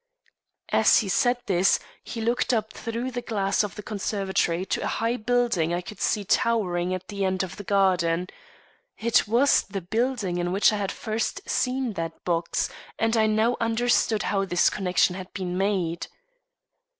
As he said this he looked up through the glass of the conservatory to a high building I could see towering at the end of the garden. It was the building in which I had first seen that box, and I now understood how this connection had been made.